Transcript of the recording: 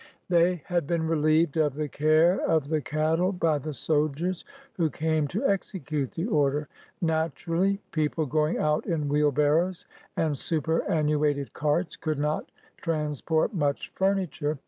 They had been relieved of the care of the cattle by the soldiers who came to execute the order. Naturally, peo ple going out in wheelbarrows and superannuated carts could not transport much furniture.